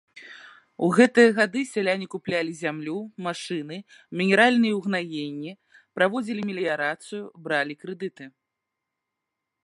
У гэтыя гады сяляне куплялі зямлю, машыны, мінеральныя ўгнаенні, праводзілі меліярацыю, бралі крэдыты.